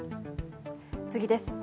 次です。